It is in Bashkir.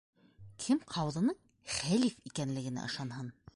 Кем ҡауҙының хәлиф икәнлегенә ышанһын?